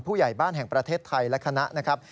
ผู้ใหญ่บ้านแห่งประเทศไทยและคณะนะครับ